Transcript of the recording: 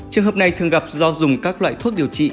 trường hợp này thường gặp do dùng các loại thuốc điều trị